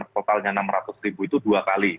totalnya rp enam ratus itu dua kali